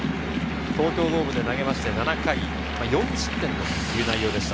東京ドームで投げまして７回、４失点という内容でした。